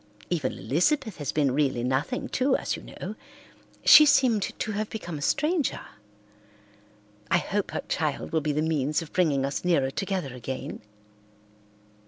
Even Elizabeth has been really nothing to us, you know. She seemed to have become a stranger. I hope her child will be the means of bringing us nearer together again."